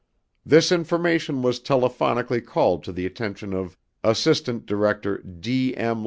This information was telephonically called to the attention of Assistant Director D. M.